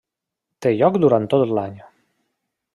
Té lloc durant tot l'any.